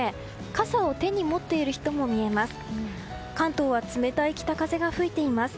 傘を手に持っている人も見えます。